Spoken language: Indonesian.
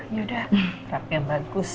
yaudah terapi yang bagus